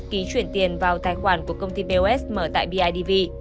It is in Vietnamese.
ký chuyển tiền vào tài khoản của công ty bos mở tại bidv